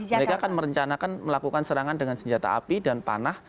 mereka akan merencanakan melakukan serangan dengan senjata api dan panah